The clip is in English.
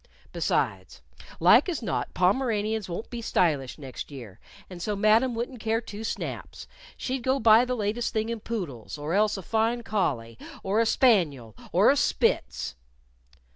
Besides, like as not Pomeranians won't be stylish next year, and so Madam wouldn't care two snaps. She'd go buy the latest thing in poodles, or else a fine collie, or a spaniel or a Spitz."